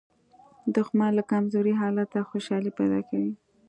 دښمن له کمزوري حالته خوشالي پیدا کوي